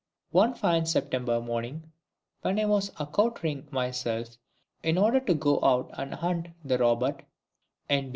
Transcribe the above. One fine September morning, when I was accoutring myself in order to go out and hunt the robert (N.